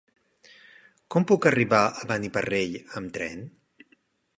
Com puc arribar a Beniparrell amb tren?